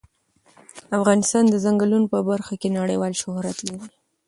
افغانستان د ځنګلونه په برخه کې نړیوال شهرت لري.